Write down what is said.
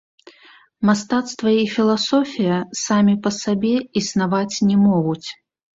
Мастацтва і філасофія самі па сабе існаваць не могуць.